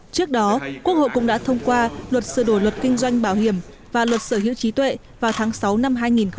trước đó quốc hội cũng đã thông qua luật sửa đổi luật kinh doanh bảo hiểm và luật sở hữu trí tuệ vào tháng sáu năm hai nghìn một mươi ba